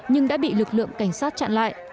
nhưng đã bị lực lượng cảnh sát chặn lại